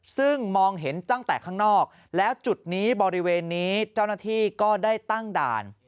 ซึ่งมองเห็นตั้งแต่ข้างนอกแล้วจุดนี้บริเวณนี้เจ้าหน้าที่ก็ได้ตั้งด่าน